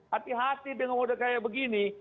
hati hati dengan wadah kayak begini